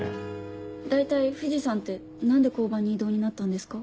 大体藤さんって何で交番に異動になったんですか？